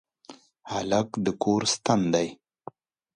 هلک د کور ستن دی.